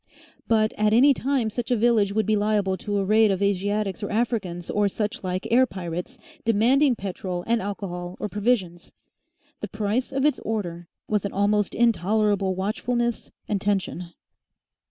But at any time such a village would be liable to a raid of Asiatics or Africans or such like air pirates, demanding petrol and alcohol or provisions. The price of its order was an almost intolerable watchfulness and tension.